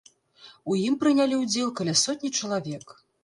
У ім прынялі ўдзел каля сотні чалавек.